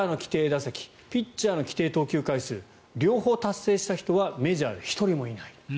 打席ピッチャーの規定投球回数両方達成した人はメジャーで１人もいない。